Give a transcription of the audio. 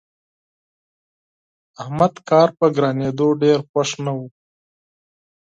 احمد کار په ګرانېدو ډېر خوښ نه وو.